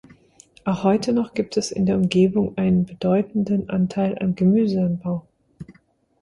Auch heute noch gibt es in der Umgebung einen bedeutenden Anteil an Gemüseanbau.